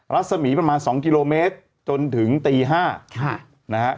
รัศมีประมาณ๒กิโลเมตรจนถึงตี๕นะฮะ